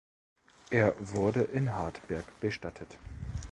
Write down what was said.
Er wurde in Hartberg bestattet.